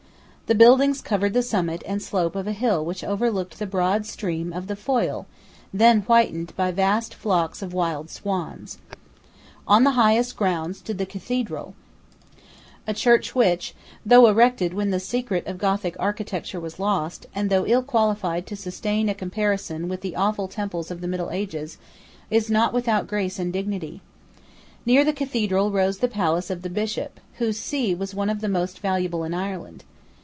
The buildings covered the summit and slope of a hill which overlooked the broad stream of the Foyle, then whitened by vast flocks of wild swans, On the highest ground stood the Cathedral, a church which, though erected when the secret of Gothic architecture was lost, and though ill qualified to sustain a comparison with the awful temples of the middle ages, is not without grace and dignity. Near the Cathedral rose the palace of the Bishop, whose see was one of the most valuable in Ireland.